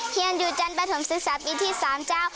เฮียนดูจรรย์บะถม๑๓ปีที่๓เจ้า